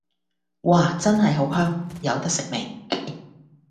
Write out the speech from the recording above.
嘩！真係好香，有得食未